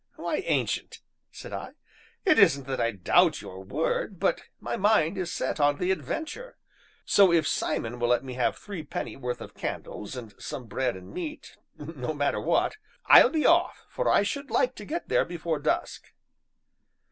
"Why, Ancient," said I, "it isn't that I doubt your word, but my mind is set on the adventure. So, if Simon will let me have threepenny worth of candles, and some bread and meat no matter what I'll be off, for I should like to get there before dusk."